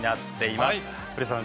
古田さん